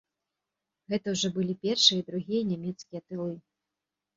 Гэта ўжо былі першыя і другія нямецкія тылы.